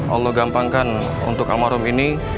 allah gampangkan untuk almarhum ini